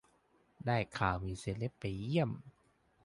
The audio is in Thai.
ได้ข่าวมีเซเล็บไปเยี่ยม